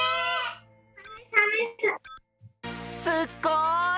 すっごい！